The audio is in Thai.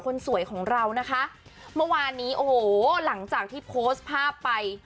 คนสวยของเรานะคะเมื่อวานนี้โอ้โหหลังจากที่โพสต์ภาพไป